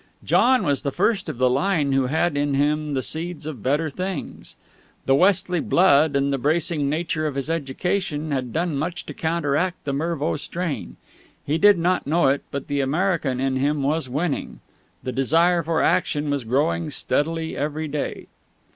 John was the first of the line who had in him the seeds of better things. The Westley blood and the bracing nature of his education had done much to counteract the Mervo strain. He did not know it, but the American in him was winning. The desire for action was growing steadily every day.